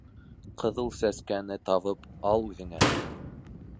Ҡыҙыл Сәскәне табып ал үҙеңә.